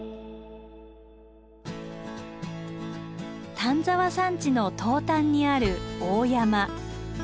丹沢山地の東端にある大山。